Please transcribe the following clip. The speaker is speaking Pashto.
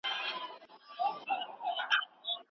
براون وويل چی اقتصادي وده بدلونونو ته اړتيا لري.